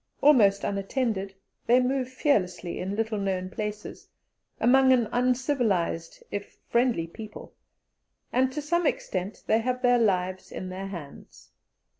Almost unattended, they move fearlessly in little known places, among an uncivilized if friendly people, and to some extent they have their lives in their hands.